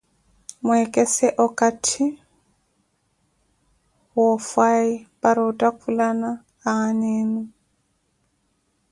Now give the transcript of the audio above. Mweekese okathi woofhayi para ottakhula na aana enu.